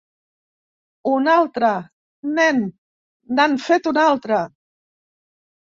Un altre, nen, n'han fet un altre!